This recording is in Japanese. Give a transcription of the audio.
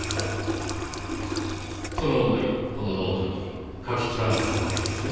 その思いをこのノートに書き連ねたわけですね。